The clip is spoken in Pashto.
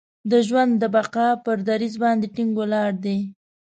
د ژوند د بقا پر دریځ باندې ټینګ ولاړ دی.